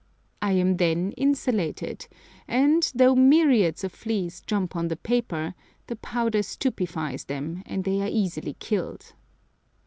I am then insulated, and, though myriads of fleas jump on the paper, the powder stupefies them, and they are easily killed.